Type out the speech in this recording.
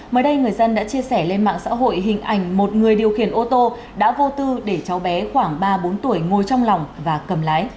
mới đây người dân đã chia sẻ lên mạng xã hội hình ảnh một người điều khiển ô tô đã vô tư để cháu bé khoảng ba bốn tuổi ngồi trong lòng và cầm lái